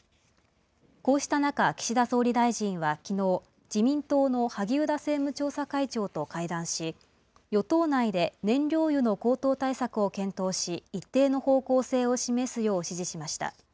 こうした中、岸田総理大臣はきのう、自民党の萩生田政務調査会長と会談し、与党内で燃料油の高騰対策を検討し、一定の方向性を示すよう指示しました。